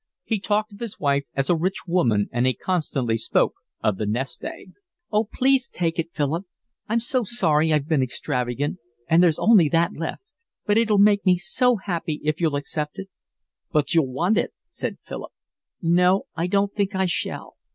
He talked of his wife as a rich woman and he constantly spoke of the 'nest egg.' "Oh, please take it, Philip. I'm so sorry I've been extravagant, and there's only that left. But it'll make me so happy if you'll accept it." "But you'll want it," said Philip. "No, I don't think I shall.